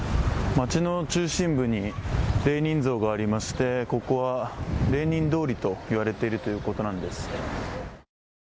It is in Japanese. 町の中心部にレーニン像がありまして、ここはレーニン通りと言われているということなんです。